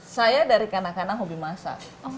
saya dari kanak kanak hobi masa